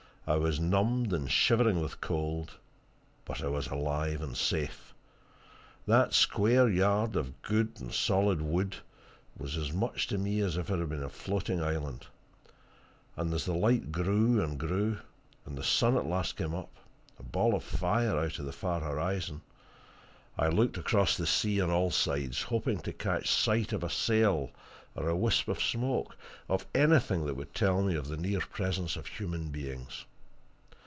I was numbed and shivering with cold but I was alive and safe. That square yard of good and solid wood was as much to me as if it had been a floating island. And as the light grew and grew, and the sun at last came up, a ball of fire out of the far horizon, I looked across the sea on all sides, hoping to catch sight of a sail, or of a wisp of smoke of anything that would tell me of the near presence of human beings.